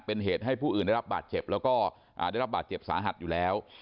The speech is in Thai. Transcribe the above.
เป็นเหตุให้ผู้อื่นได้รับบาดเจ็บแล้วก็ได้รับบาดเจ็บสาหัสอยู่แล้ว